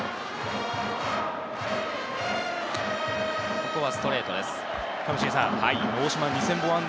ここはストレートです。